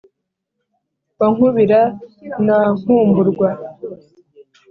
wa nkubira na nkumburwa,